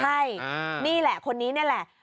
ใช่นี่แหละคนนี้นี่แหละ